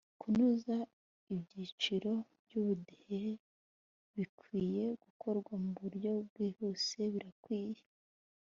Kunoza ibyiciro by ubudehe bikwiye gukorwa mu buryo bwihuse Birakwiye